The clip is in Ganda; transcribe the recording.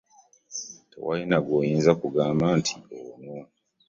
Tewali na gw'oyinza kugamba nti ono.